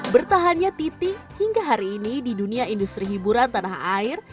bertahannya titi hingga hari ini di dunia industri hiburan tanah air